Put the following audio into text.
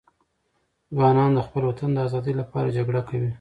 ځوانان د خپل وطن د آزادي لپاره جګړه کوي.